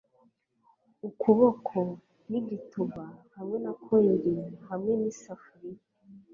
ukuboko nigituba hamwe na coil hamwe nisafuriya